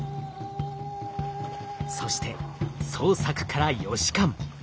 そして捜索から４時間。